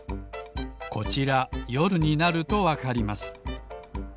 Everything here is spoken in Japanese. こちらよるになるとわかります。